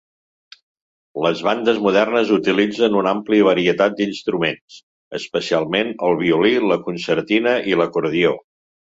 Les bandes modernes utilitzen una àmplia varietat d'instruments, especialment el violí, la concertina i l'acordió.